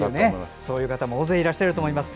そういう方も大勢いらっしゃると思います。